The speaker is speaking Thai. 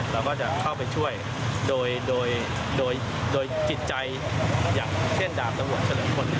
แล้วก็จะเข้าไปช่วยโดยจิตใจเช่นดาบตำรวจเฉลิมพล